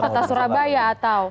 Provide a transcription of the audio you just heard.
kota surabaya atau